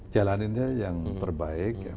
jalaninnya yang terbaik ya